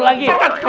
yang ini liat setan